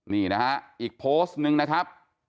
นี่นะฮะอีกโพสต์หนึ่งนะครับ